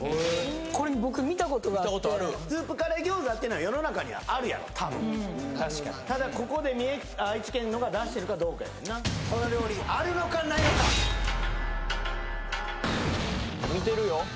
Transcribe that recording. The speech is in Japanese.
これ僕見たことがあってスープカレー餃子っていうのは世の中にはあるやろ多分ただここで愛知県のが出してるかどうかやんなこの料理あるのかないのか見てるよ